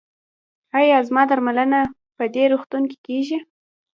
ایا زما درملنه په دې روغتون کې کیږي؟